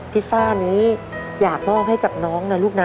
ซ่านี้อยากมอบให้กับน้องนะลูกนะ